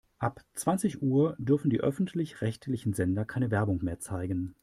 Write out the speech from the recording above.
Ab zwanzig Uhr dürfen die öffentlich-rechtlichen Sender keine Werbung mehr zeigen.